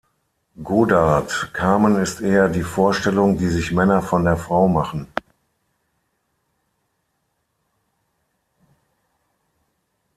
Godard: „Carmen ist eher die Vorstellung, die sich Männer von der Frau machen.